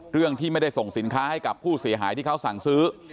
เรื่องที่ไม่ได้ส่งสินค้าให้กับผู้เสียหายที่เขาสั่งซื้อ